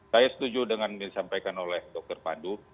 saya setuju dengan yang disampaikan oleh dr pandu